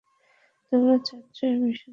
তোমরা চাচ্ছো এই মিশন থেকে আমি বের হয়ে যাই?